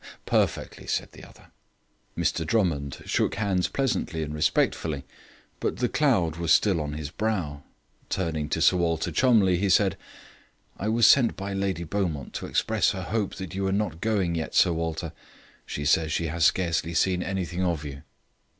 "Perfectly," said the other. Mr Drummond shook hands pleasantly and respectfully, but the cloud was still on his brow. Turning to Sir Walter Cholmondeliegh, he said: "I was sent by Lady Beaumont to express her hope that you were not going yet, Sir Walter. She says she has scarcely seen anything of you."